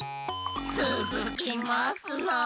つづきますなあ！